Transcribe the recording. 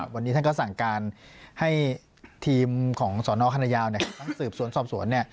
วันนี้ท่านก็สั่งการให้ทีมของสนคณะยาวทั้งสืบสวนสอบสวน